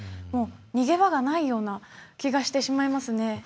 逃げ場がないような気がしてしまいますね。